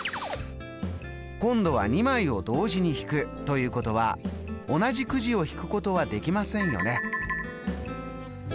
今度は２枚を同時に引くということは同じくじを引くことはできませんよね。